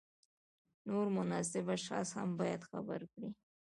نور مناسب اشخاص هم باید خبر کړي.